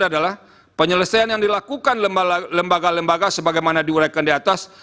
adalah penyelesaian yang dilakukan lembaga lembaga sebagaimana diuraikan di atas